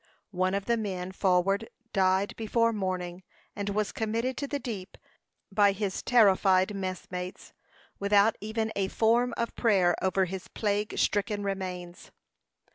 One of the men forward died before morning, and was committed to the deep by his terrified messmates, without even a form of prayer over his plague stricken remains.